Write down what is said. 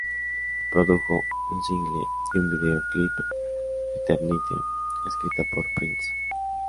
Produjo un single y un vídeo clip, "Eternity", escrita por Prince.